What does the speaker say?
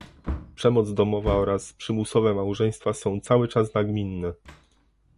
Przemoc domowa oraz przymusowe małżeństwa są cały czas nagminne